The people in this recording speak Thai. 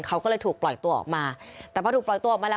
เขาก็เลยถูกปล่อยตัวออกมาแต่พอถูกปล่อยตัวออกมาแล้ว